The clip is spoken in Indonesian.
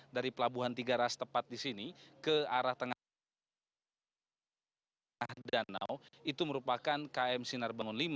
dari pelabuhan tiga ras tepat di sini ke arah tengah danau itu merupakan km sinar bangun v